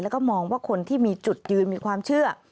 แล้วก็มองว่าคนที่มีจุดยืนมีความเชื่อ